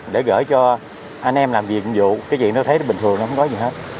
để gửi cho anh em làm việc nhiệm vụ cái chuyện nó thấy nó bình thường nó không có gì hết